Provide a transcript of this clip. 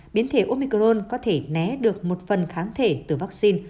biến thể omicron có thể né được một phần kháng thể từ vaccine